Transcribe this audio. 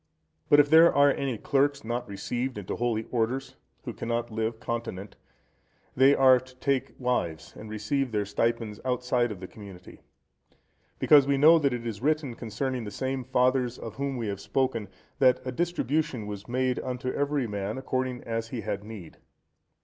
But if there are any clerks not received into holy orders,(122) who cannot live continent, they are to take wives, and receive their stipends outside of the community; because we know that it is written concerning the same fathers of whom we have spoken that a distribution was made unto every man according as he had need.